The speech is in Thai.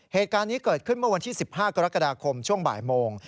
เหตุการณ์นี้เกิดขึ้นเมื่อวันที่๑๕กรกฎาคมช่วงบ่ายโมง